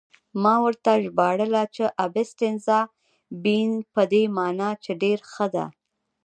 ما ورته ژباړله چې: 'Abbastanza bene' په دې مانا چې ډېره ښه ده.